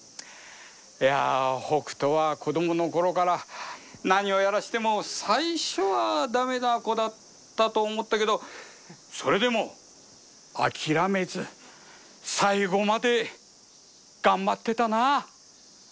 いや北斗は子供の頃から何をやらせても最初は駄目な子だったと思ったけどそれでも諦めず最後まで頑張ってたな。